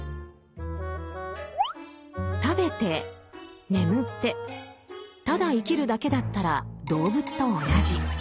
食べて眠ってただ生きるだけだったら動物と同じ。